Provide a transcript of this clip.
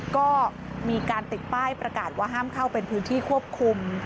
ก็มีการติดป้ายประกาศว่าห้ามเข้าเป็นพื้นที่ควบคุม